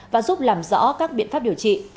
và giúp làm rõ các biện pháp điều trị